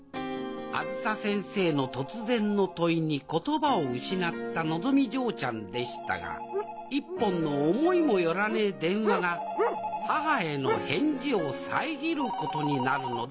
あづさ先生の突然の問いに言葉を失ったのぞみ嬢ちゃんでしたが一本の思いも寄らねえ電話が母への返事を遮ることになるのであります